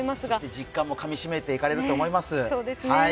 実感もかみしめていかれると思います。